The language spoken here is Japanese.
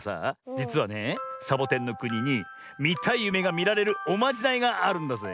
じつはねえサボテンのくににみたいゆめがみられるおまじないがあるんだぜえ。